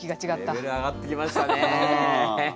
レベル上がってきましたね。